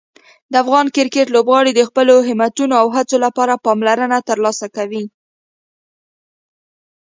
د افغان کرکټ لوبغاړي د خپلو همتونو او هڅو لپاره پاملرنه ترلاسه کوي.